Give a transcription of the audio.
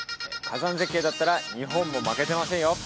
火山絶景だったら日本も負けてませんよ